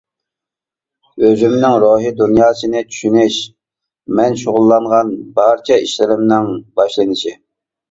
ئۆزۈمنىڭ روھىي دۇنياسىنى چۈشىنىش، مەن شۇغۇللانغان بارچە ئىشلىرىمنىڭ باشلىنىشى.